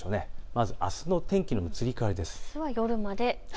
まずあすの天気の移り変わりです。